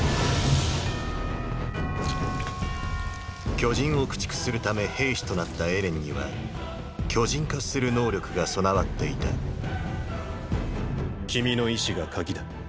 巨人を駆逐するため兵士となったエレンには巨人化する能力が備わっていた君の意志が「鍵」だ。